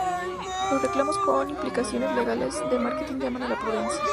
Los reclamos con implicaciones legales de marketing llaman a la prudencia.